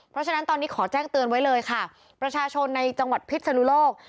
เพราะฉะนั้นตอนนี้ขอแจ้งเตือนไว้เลยค่ะประชาชนในจังหวัดพิษนุโลก